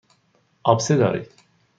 آبسه دارید.